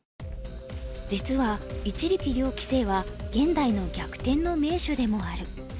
実は一力遼棋聖は現代の逆転の名手でもある。